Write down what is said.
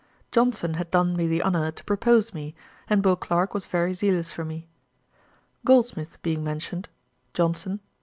Johnson had done me the honour to propose me, and Beauclerk was very zealous for me. Goldsmith being mentioned; JOHNSON.